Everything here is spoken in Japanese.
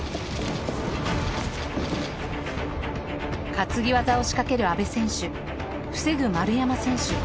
担ぎ技を仕掛ける阿部選手防ぐ丸山選手。